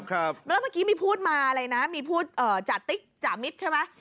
แล้วเมื่อกี้มีพูดมาอะไรนะมีพูดจาติ๊กจามิตรใช่ไหม